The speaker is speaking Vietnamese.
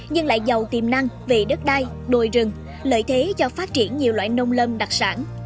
nhưng lại giàu tiềm năng về đất đai đồi rừng lợi thế cho phát triển nhiều loại nông lâm đặc sản